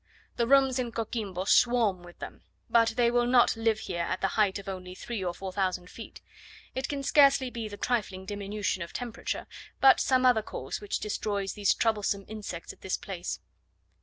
The rooms in Coquimbo swarm with them; but they will not live here at the height of only three or four thousand feet: it can scarcely be the trifling diminution of temperature, but some other cause which destroys these troublesome insects at this place.